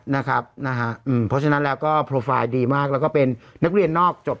เพราะฉะนั้นแล้วก็โปรไฟล์ดีมากแล้วก็เป็นนักเรียนนอกจบ